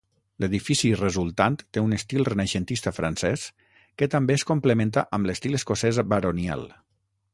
L'edifici resultant té un estil renaixentista francès que també es complementa amb l'estil escocès baronial.